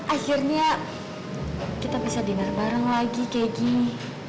akhirnya kita bisa dinar bareng lagi kayak gini